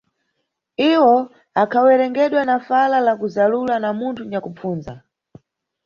Iyo yakhawerengedwa na fala la kuzalula na munthu nyakupfunza.